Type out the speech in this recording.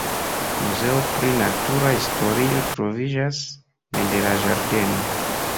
Muzeo pri natura historio troviĝas ene de la ĝardeno.